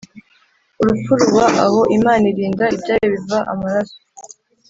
urupfu ruba aho. imana irinda ibyayo biva amaraso